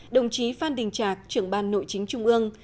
đồng chí phan đình trạc trưởng ban nội chính trung ương